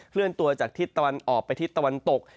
เลื่อนตัวจากทิศตะวันออกไปทิศตะวันตก